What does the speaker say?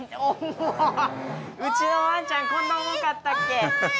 うちのワンチャンこんな重かったっけ。